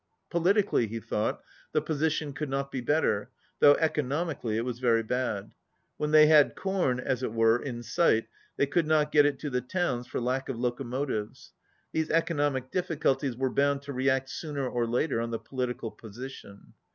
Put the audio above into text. Po litically, he thought, the position could not be better, though economically it was very bad. When they had corn, as it were, in sight, tjhey could not get it to the towns for lack of locomo tives. These economic difficulties were bound to react sooner or later on the political position.